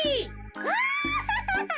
アハハハ！